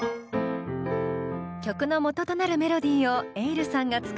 曲の元となるメロディーをｅｉｌｌさんが作ります。